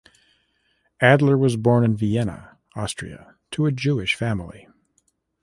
Adler was born in Vienna, Austria, to a Jewish family.